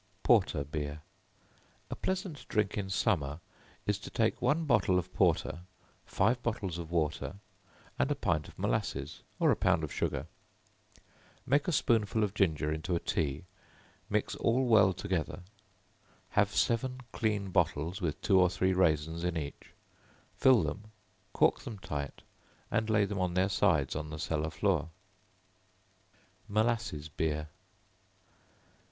Porter Beer. A pleasant drink in summer is to take one bottle of porter, five bottles of water, and a pint of molasses, or a pound of sugar; make a spoonful of ginger into a tea, and mix all well together; have seven clean bottles, with two or three raisins in each; fill them, cork them tight, and lay them on their sides on the cellar floor. Molasses Beer.